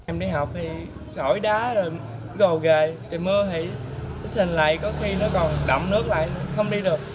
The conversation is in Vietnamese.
em đi học thì sổi đá rồi gồ gề trời mưa thì xình lại có khi nó còn đậm nước lại không đi được